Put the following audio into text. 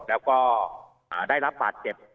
แล้วก็ได้รับบาดเจ็บ